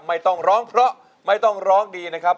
ไม่ต้องร้องเพราะไม่ต้องร้องดีนะครับ